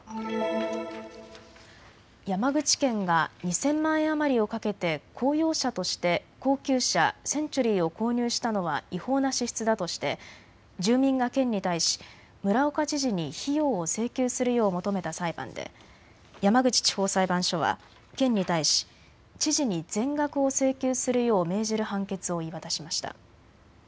山口県が２０００万円余りをかけて公用車として高級車、センチュリーを購入したのは違法な支出だとして住民が県に対し村岡知事に費用を請求するよう求めた裁判で山口地方裁判所は県に対し知事に全額を請求するよう命じる判決を言い渡しました。